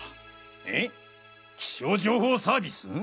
えっ気象情報サービス？